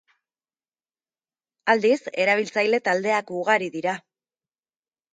Aldiz, erabiltzaile taldeak ugari dira.